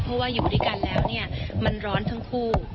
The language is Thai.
เพราะว่าอยู่ด้วยกันแล้วเนี่ยมันร้อนทั้งคู่